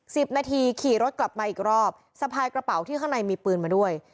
สิบนาทีขี่รถกลับมาอีกรอบสะพายกระเป๋าที่ข้างในมีปืนมาด้วย